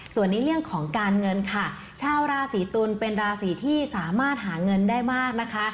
ส่วนในเรื่องของการเงินค่ะชาวราศีตุลเป็นราศีที่สามารถหาเงินได้มากนะคะ